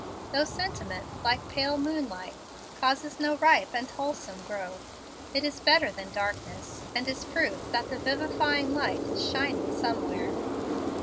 Though sentiment, like pale moonlight, causes no ripe and wholesome growth, it is better than darkness, and is proof that the vivifying light is shining somewhere.